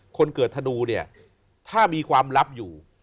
คนเกิดธนูเนี่ยถ้ามีความลับอยู่